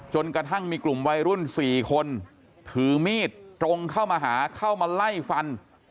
จนกระทั่งมีกลุ่มวัยรุ่น๔คนถือมีดตรงเข้ามาหาเข้ามาไล่ฟัน